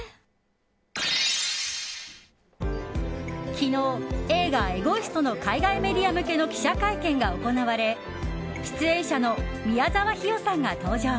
昨日、映画「エゴイスト」の海外メディア向けの記者会見が行われ出演者の宮沢氷魚さんが登場。